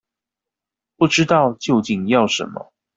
不知道究竟要什麼